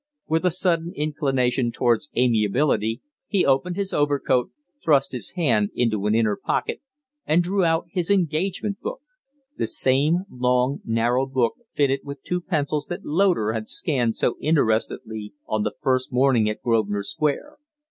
With a sudden inclination towards amiability he opened his overcoat, thrust his hand into an inner pocket, and drew out his engagement book the same long, narrow book fitted with two pencils that Loder had scanned so interestedly on his first morning at Grosvenor Square.